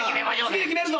次決めるぞ。